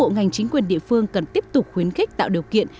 ngành chính quyền địa phương cần tiếp tục khuyến khích tạo điều kiện